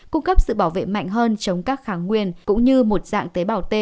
cung cấp sự bảo vệ mạnh hơn chống các kháng nguyên cũng như một dạng tế bào t